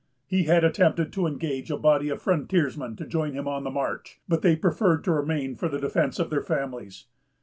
He had attempted to engage a body of frontiersmen to join him on the march; but they preferred to remain for the defence of their families.